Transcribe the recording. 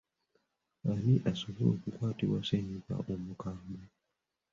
Ani asobola okukwatibwa ssennyiga omukambwe?